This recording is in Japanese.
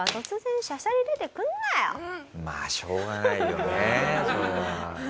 まあしょうがないよねそれは。